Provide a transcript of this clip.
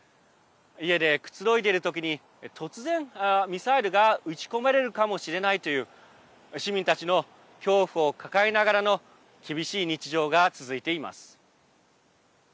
家で、くつろいでいるときに突然ミサイルが撃ち込まれるかもしれないという市民たちの恐怖を抱えながらの厳しい日常が続いています。